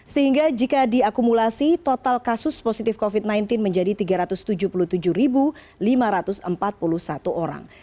sehingga jika diakumulasi total kasus positif covid sembilan belas menjadi tiga ratus tujuh puluh tujuh lima ratus empat puluh satu orang